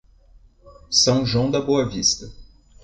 São João da Boa Vista